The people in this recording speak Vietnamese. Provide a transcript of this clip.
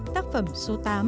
tác phẩm số tám